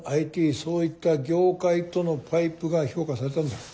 そういった業界とのパイプが評価されたんだろう。